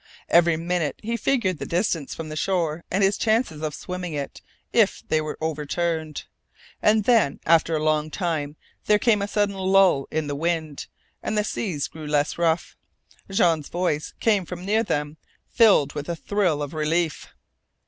Every minute he figured the distance from the shore, and his chances of swimming it if they were overturned. And then, after a long time, there came a sudden lull in the wind, and the seas grew less rough. Jean's voice came from near them, filled with a thrill of relief.